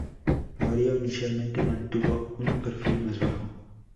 Mario inicialmente mantuvo un perfil más bajo.